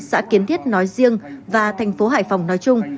xã kiến thiết nói riêng và thành phố hải phòng nói chung